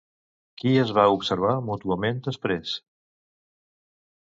Qui es va observar mútuament després?